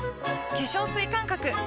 化粧水感覚！